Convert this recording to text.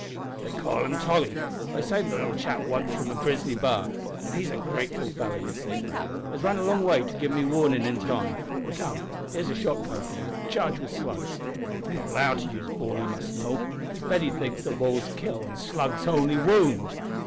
"They call him Tolly. I saved the little chap once from a grizzly b'ar, an' he's a grateful feller, you see has run a long way to give me warnin' in time. Come, here's a shot gun for you, charged wi' slugs. I'm not allowed to use ball, you must know, 'cause Betty thinks that balls kill an' slugs only wound!